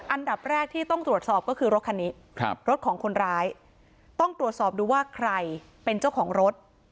อันดับแรกที่ต้องตรวจสอบก็คือรถคันนี้ครับรถของคนร้ายต้องตรวจสอบดูว่าใครเป็นเจ้าของรถ